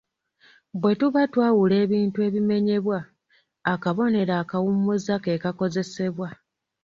Bwe tuba twawula ebintu ebimenyebwa, akabonero akawummuza ke kakozesebwa.